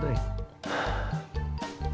bagus ceritanya doi